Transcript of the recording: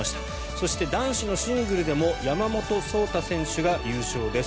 そして男子のシングルでも山本草太選手が優勝です。